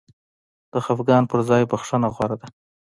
د خفګان پر ځای بخښنه غوره ده.